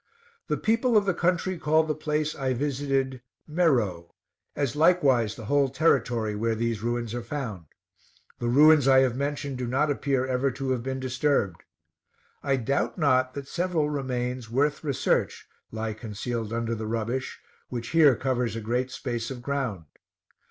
The people of the country called the place I visited, "Meroe" as likewise the whole territory where these ruins are found. The ruins I have mentioned do not appear ever to have been disturbed. I doubt not that several remains worth research lie concealed under the rubbish, which here covers a great space of ground.